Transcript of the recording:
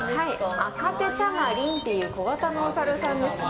アカテタマリンという小型のお猿さんですね。